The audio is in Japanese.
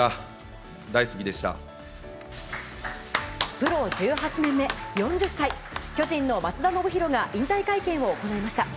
プロ１８年目、４０歳巨人の松田宣浩が引退会見を行いました。